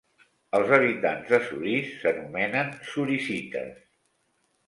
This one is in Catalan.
Els habitants de Souris s'anomenen "sourisites".